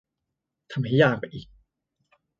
ทำให้ยากไปอีก